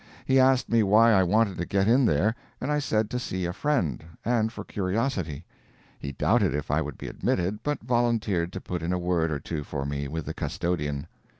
He asked me why I wanted to get in there, and I said to see a friend and for curiosity. He doubted if I would be admitted, but volunteered to put in a word or two for me with the custodian.